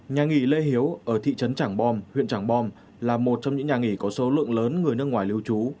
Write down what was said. nhà nghỉ lễ hiếu ở thị trấn trảng bom huyện trảng bom là một trong những nhà nghỉ có số lượng lớn người nước ngoài lưu trú